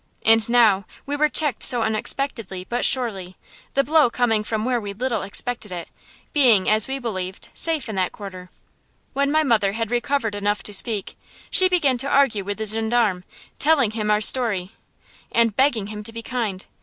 And now we were checked so unexpectedly but surely, the blow coming from where we little expected it, being, as we believed, safe in that quarter. When my mother had recovered enough to speak, she began to argue with the gendarme, telling him our story and begging him to be kind.